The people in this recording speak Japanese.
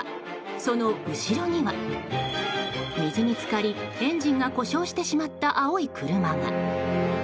その後ろには、水に浸かりエンジンが故障してしまった青い車が。